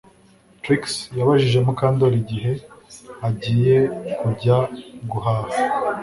Trix yabajije Mukandoli igihe agiye kujya guhaha